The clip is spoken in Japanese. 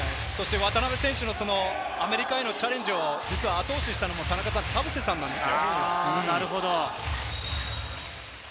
そして渡邊選手のアメリカへのチャレンジを後押ししたのも田臥さんなんですよ。